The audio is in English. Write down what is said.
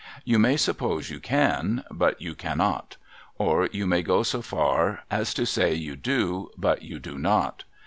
You may suppose you can, but you cannot ; Or you may go so far as to say you do, but you do not.